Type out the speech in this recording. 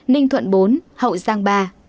ninh thuận bốn hậu giang ba